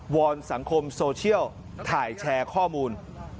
อนสังคมโซเชียลถ่ายแชร์ข้อมูล